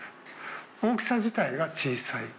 大きさ自体が小さい。